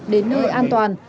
đến nơi an toàn